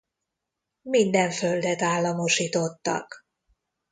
Minden földet államosítottak.